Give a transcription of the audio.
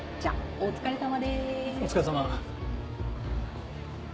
お疲れさま。